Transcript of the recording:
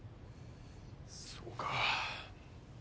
そうか。